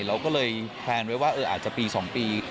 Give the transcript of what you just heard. เราก็เลยแพลนไว้ว่าอาจจะปี๒ปี